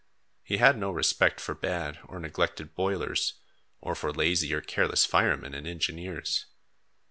He had no respect for bad or neglected boilers, or for lazy or careless firemen and engineers.